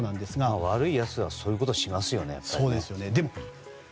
悪いやつはそういうことをしますよね。